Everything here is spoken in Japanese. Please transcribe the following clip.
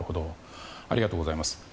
ありがとうございます。